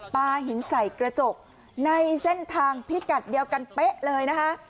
ปลาหินใส่กระจกในเส้นทางพิกัดเดียวกันเป๊ะเลยนะคะ